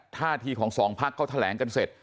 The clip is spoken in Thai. ท่าทีของสองพักเขาแถลงกันเสร็จ